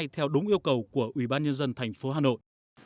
theo đúng yêu cầu của ủy ban nhân dân thành phố hà nội